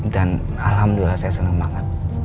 dan alhamdulillah saya senang banget